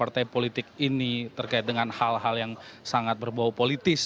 partai politik ini terkait dengan hal hal yang sangat berbau politis